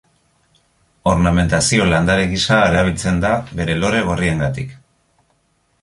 Ornamentazio landare gisa erabiltzen da bere lore gorriengatik.